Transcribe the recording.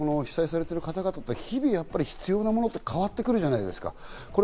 優木さん、被災されている方って日々、必要なものって変わってくるじゃないですか。